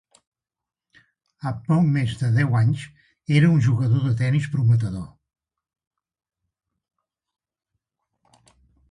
Amb poc més de deu anys era un jugador de tenis prometedor.